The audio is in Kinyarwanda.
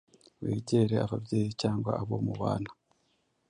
wegere ababyeyi cyangwa abo mubana